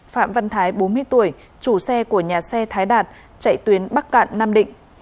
phạm văn thái bốn mươi tuổi chủ xe của nhà xe thái đạt chạy tuyến bắc cạn nam định